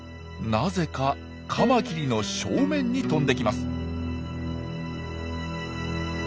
なぜかカマキリの正面に飛んできます。